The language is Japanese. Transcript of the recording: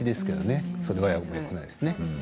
けどそれはよくないんですね。